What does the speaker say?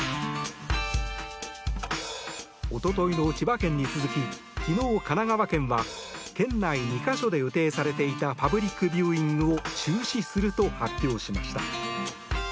おとといの千葉県に続き昨日、神奈川県は県内２か所で予定されていたパブリックビューイングを中止すると発表しました。